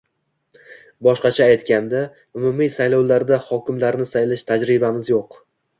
Boshqacha aytganda, umumiy saylovlarda hokimlarni saylash tajribamiz yo'q